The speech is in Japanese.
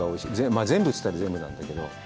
まあ、全部って言ったら全部なんだけど。